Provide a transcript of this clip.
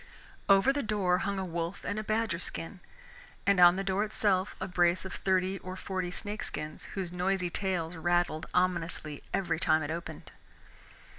Over the door hung a wolf and a badger skin, and on the door itself a brace of thirty or forty snake skins whose noisy tails rattled ominously every time it opened.